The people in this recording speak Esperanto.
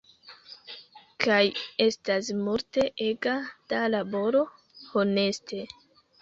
Kaj estas multe ega da laboro, honeste.